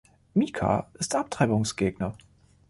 Mica ist Abtreibungsgegner.